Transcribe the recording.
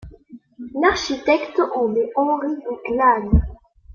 L'architecte en est Henri Deglane.